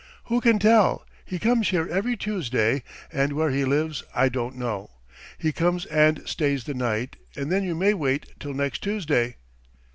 "Who can tell? He comes here every Tuesday, and where he lives I don't know. He comes and stays the night, and then you may wait till next Tuesday.